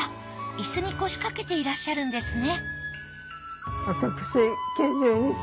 椅子に腰かけていらっしゃるんですね